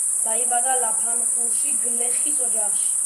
დაიბადა ლაფანყურში, გლეხის ოჯახში.